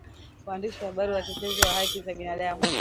Waandishi wa habari watetezi wa haki za binadamu